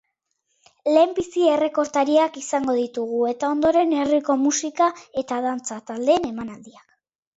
Lehendabizi errekortariak izango ditugu eta ondoren herriko musika eta dantza taldeen emanaldia.